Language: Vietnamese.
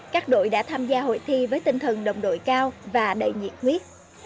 các đội đã tham gia hội thi với tinh thần đồng đội cao và đầy nhiệt huyết